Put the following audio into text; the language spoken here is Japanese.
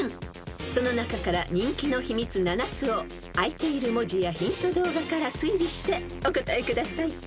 ［その中から人気の秘密７つをあいている文字やヒント動画から推理してお答えください］